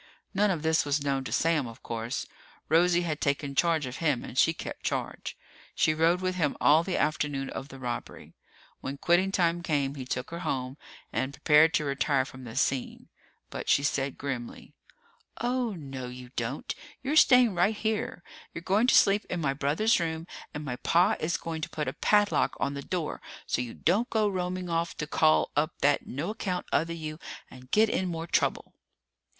None of this was known to Sam, of course. Rosie had taken charge of him and she kept charge. She rode with him all the afternoon of the robbery. When quitting time came, he took her home and prepared to retire from the scene. But she said grimly, "Oh, no, you don't! You're staying right here! You're going to sleep in my brother's room, and my pa is going to put a padlock on the door so you don't go roaming off to call up that no account other you and get in more trouble!"